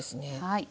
はい。